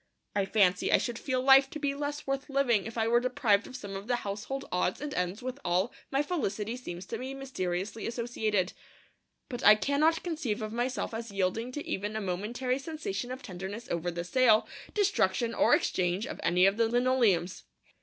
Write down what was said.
I fancy I should feel life to be less worth living if I were deprived of some of the household odds and ends with which all my felicity seems to be mysteriously associated. But I cannot conceive of myself as yielding to even a momentary sensation of tenderness over the sale, destruction, or exchange of any of the linoleums.